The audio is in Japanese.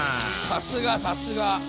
さすがさすが。